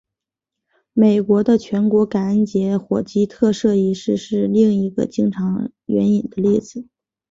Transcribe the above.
美国的全国感恩节火鸡特赦仪式是另一个经常援引的例子。